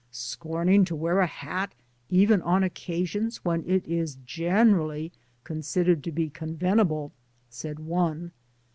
Scorning to wear a hat even on occasions when it is generally considered to be convenable,'' said one.